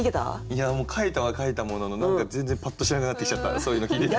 いやもう書いたは書いたものの何か全然パッとしなくなってきちゃったそういうの聞いてたら。